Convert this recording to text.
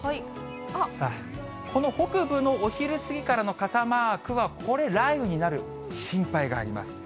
さあ、この北部のお昼過ぎからの傘マークは、これ、雷雨になる心配があります。